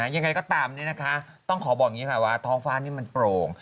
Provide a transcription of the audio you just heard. ยังไงก็ตามนี้นะคะต้องขอบอกว่าท้องฟ้านี้มันโปร่ง